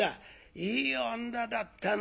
いい女だったな。